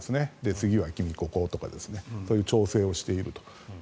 次は君、こことかそういう調整をしていると。